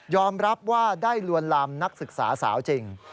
รับว่าได้ลวนลามนักศึกษาสาวจริง